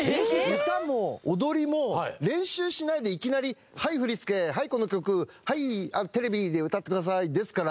歌も踊りも練習しないでいきなり「はい振り付け」「はいこの曲」「はいテレビで歌ってください」ですから。